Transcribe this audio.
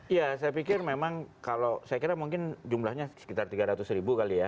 ya saya pikir memang kalau saya kira mungkin jumlahnya sekitar tiga ratus ribu kali ya